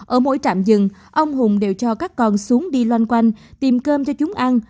ở mỗi trạm rừng ông hùng đều cho các con xuống đi loanh quanh tìm cơm cho chúng ăn